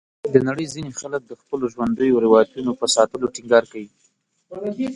د نړۍ ځینې خلک د خپلو ژوندیو روایتونو په ساتلو ټینګار کوي.